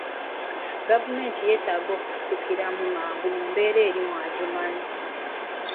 Gavumenti yeetaaga okusitukiramu amangu ku mbeera eri mu Adjumani